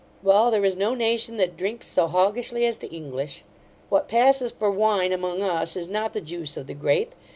Well, there is no nation that drinks so hoggishly as the English. What passes for wine among us, is not the juice of the grape.